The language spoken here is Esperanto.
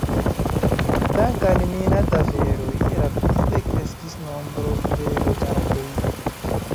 Dank' al minad-aferoj rapide kreskis nombro de loĝantoj.